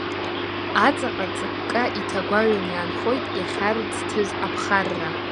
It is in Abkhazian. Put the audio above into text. Аҵаҟа ҵыкка иҭагәаҩан иаанхоит иахьарӡҭыз аԥхара.